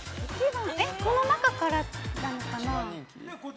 ◆この中からなのかな。